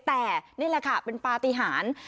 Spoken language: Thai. แต่นี่แหละค่ะเป็นปฏิหาร